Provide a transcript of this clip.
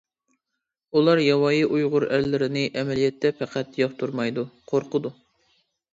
ئۇلار ياۋايى ئۇيغۇر ئەرلىرىنى ئەمەلىيەتتە پەقەت ياقتۇرمايدۇ، قورقىدۇ.